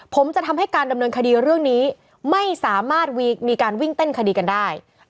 ผมจะทำให้การดำเนินคดีเรื่องนี้ไม่สามารถมีการวิ่งเต้นคดีกันได้